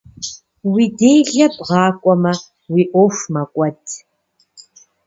Уи делэ бгъэкIуэмэ, уи Iуэху мэкIуэд.